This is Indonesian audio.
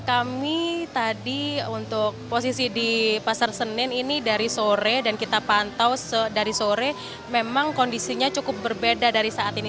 kami tadi untuk posisi di pasar senen ini dari sore dan kita pantau dari sore memang kondisinya cukup berbeda dari saat ini